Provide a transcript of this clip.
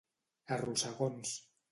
A rossegons.